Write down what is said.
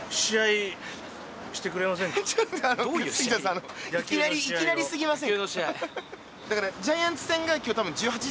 あのいきなりいきなりすぎませんか？